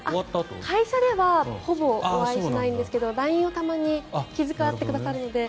会社ではほぼお会いしないんですけどＬＩＮＥをたまに気遣ってくださるので。